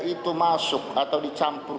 itu masuk atau dicampur